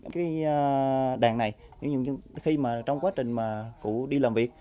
cái đàn này khi mà trong quá trình mà cụ đi làm việc